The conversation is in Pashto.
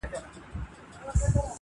• انسان په طبیعت کي آزاد خلق سوی دی -